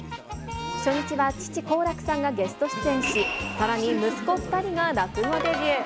初日は父、好楽さんがゲスト出演し、さらに息子２人が落語デビュー。